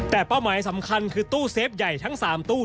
แต่เป้าหมายสำคัญคือตู้เซฟใหญ่ทั้ง๓ตู้